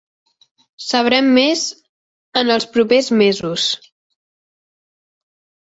Sabrem més en els propers mesos.